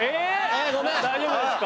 大丈夫ですか？